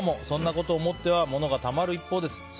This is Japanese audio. そんなことを思っては物がたまる一方です。